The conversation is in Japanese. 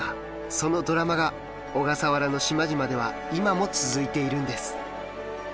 そのドラマが小笠原の島々では今も続いているんです。